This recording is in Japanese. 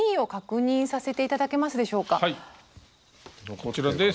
こちらです。